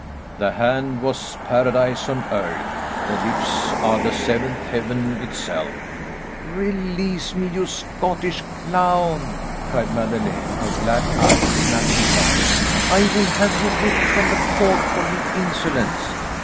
The hand was paradise on earth; the lips are the seventh heaven itself." "Release me, you Scottish clown!" cried Madeleine, her black eyes snapping fire. "I will have you whipped from the court for your insolence."